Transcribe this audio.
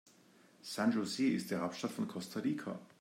San José ist die Hauptstadt von Costa Rica.